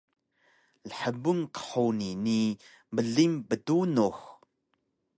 lhbun qhuni ni bling btunux